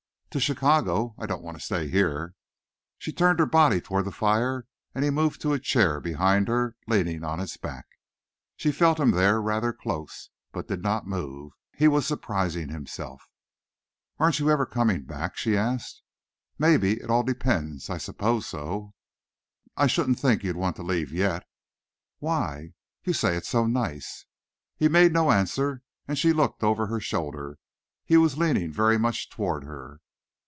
"To Chicago. I don't want to stay here." She turned her body toward the fire and he moved to a chair behind her, leaning on its back. She felt him there rather close, but did not move. He was surprising himself. "Aren't you ever coming back?" she asked. "Maybe. It all depends. I suppose so." "I shouldn't think you'd want to leave yet." "Why?" "You say it's so nice." He made no answer and she looked over her shoulder. He was leaning very much toward her.